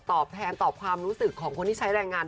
ตอบแทนตอบความรู้สึกของคนที่ใช้แรงงาน